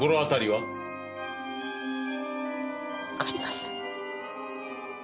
わかりません。